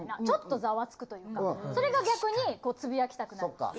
ちょっとざわつくというか、それが逆に、つぶやきたくなる。